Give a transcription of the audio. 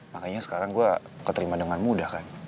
makanya sekarang gue keterima dengan mudah kan